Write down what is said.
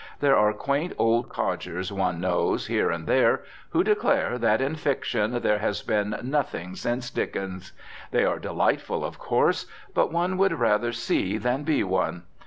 There are quaint old codgers one knows here and there who declare that in fiction there has "been nothing since Dickens." They are delightful, of course; but one would rather see than be one.